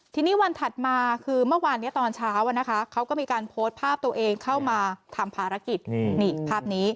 ทีนี้วันถัดมาคือเมื่อวานนี้ตอนเช้าเขาก็มีการโพสต์ภาพตัวเองเข้ามาทำภารกิจนี่ภาพนี้